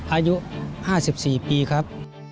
อายุ๕๔ปีครับ